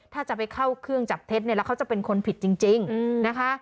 ถ้าจะไปเข้าเครื่องจับเท็จเนี่ยแล้วเขาจะเป็นคนผิดจริงนะคะ